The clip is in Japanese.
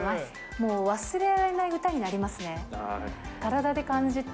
もう忘れられない歌になりますね。